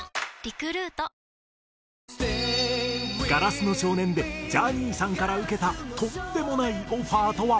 『硝子の少年』でジャニーさんから受けたとんでもないオファーとは？